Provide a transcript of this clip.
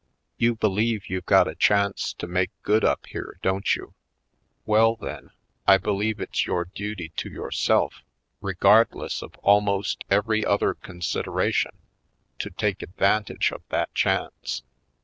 You believe you've got a chance to make good up here, don't you? Well, then, I believe it's your duty to yourself, regardless of al most every other consideration, to take ad vantage of that chance.